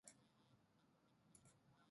私はかぜ